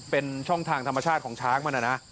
เป็นช่องทางธรรมชาติของช้างมันนะ